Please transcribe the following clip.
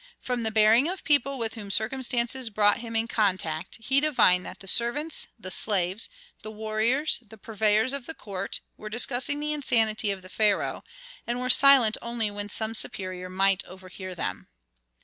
From the bearing of people with whom circumstances brought him in contact he divined that the servants, the slaves, the warriors, the purveyors of the court were discussing the insanity of the pharaoh, and were silent only when some superior might overhear them.